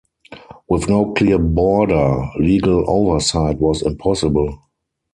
With no clear border legal oversight was impossible.